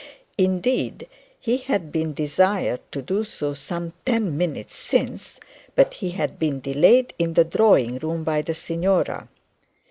Indeed, he had been desired to do so some ten minutes since; but he had been delayed in the drawing room by the signora.